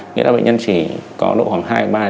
nghĩa là bệnh nhân chỉ có độ hoảng hạn